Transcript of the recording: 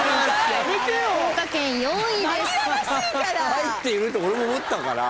入っていると俺も思ったから。